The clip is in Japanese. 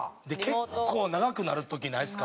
結構長くなる時ないですか？